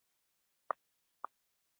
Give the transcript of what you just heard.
اویا زره کاله مخکې یو څه بدلون راغی.